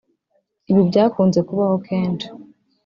Ibi byakunze kubaho kenshi